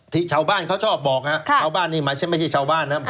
ที่ชาวบ้านเขาชอบบอกนะครับชาวบ้านนี่หมายถึงไม่ใช่ชาวบ้านนะครับ